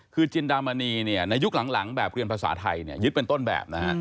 คือจินดามณีในยุคหลังแบบเรียนภาษาไทยยึดเป็นต้นแบบนะฮะ